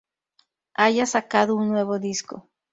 haya sacado un nuevo disco